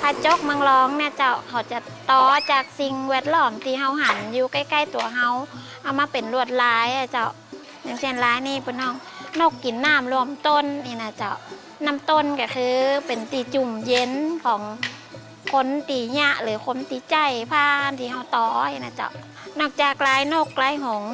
เป็นรวดร้ายอย่างเช่นผืนนี่นะจ๊ะบนห้อง